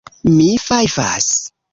Mi fajfas.